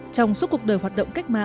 trong suốt cuộc đời hoạt động